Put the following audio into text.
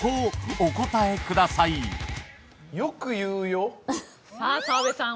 お答えくださいさあ澤部さん